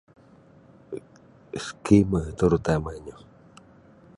Iskimer tarutamanyo.